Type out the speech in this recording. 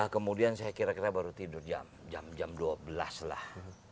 kemudian saya kira kita baru tidur jam dua belas lah